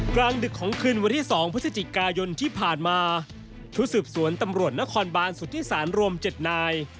กลางดึกของคืนวันที่๒พฤศจิกายนที่ผ่านมาชุดสืบสวนตำรวจนครบานสุธิศาลรวม๗นาย